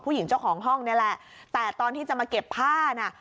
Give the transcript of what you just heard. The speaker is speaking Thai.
ผู้หญิงเจ้าของห้องนี่แหละแต่ตอนที่จะมาเก็บผ้าน่ะ